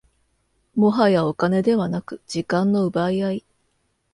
もはやお金ではなく時間の奪い合い